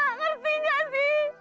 ngerti gak sih